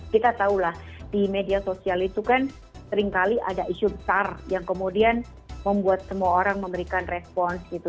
kita tahu lah di media sosial itu kan seringkali ada isu besar yang kemudian membuat semua orang memberikan respons gitu